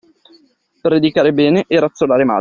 Predicare bene e razzolare male.